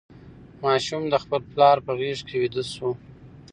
ماشوم د خپل پلار په غېږ کې ویده شو.